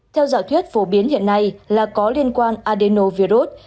theo dạo thuyết phổ biến hiện nay là có liên quan adenovirus